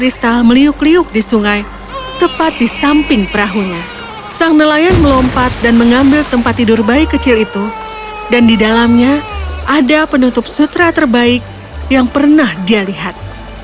sang nelayan melompat dan mengambil tempat tidur bayi kecil itu dan di dalamnya ada penutup sutra terbaik yang pernah dia lihat